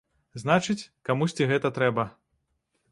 Значыць, камусьці гэта трэба.